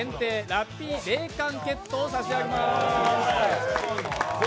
ラッピー冷感ケットを差し上げます。